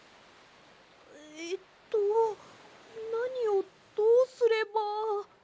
えっとなにをどうすれば。